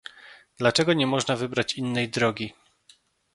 Dlaczego nie można wybrać innej drogi